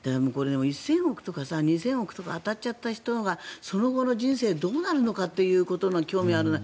１０００億円とか２０００億円とか当たっちゃった人はその後の人生どうなるのかということに興味があるな。